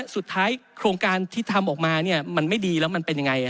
โครงการที่ทำออกมามันไม่ดีแล้วมันเป็นยังไง